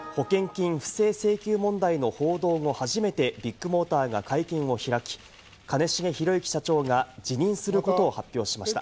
保険金不正請求問題の報道を初めてビッグモーターが会見を開き、兼重宏行社長が辞任することを発表しました。